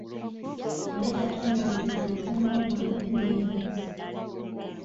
Nkole yatonanga nte n'obwambe n'embazzi.